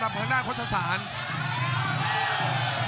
คมทุกลูกจริงครับโอ้โห